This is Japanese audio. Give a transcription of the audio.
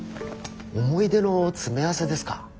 思い出の詰め合わせですか。